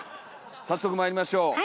早速まいりましょう。